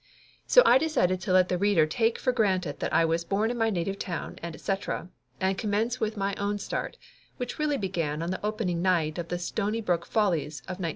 So I decided to let the reader take for granted that I was born in my native town, and et cetera, and com mence with my own start, which really began on the opening night of The Stonybrook Follies of 1920.